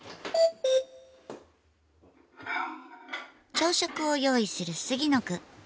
朝食を用意する杉野くん。